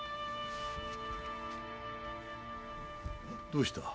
どうした？